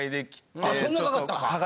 そんなかかったか。